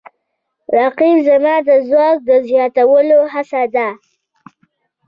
رقیب زما د ځواک د زیاتولو هڅه ده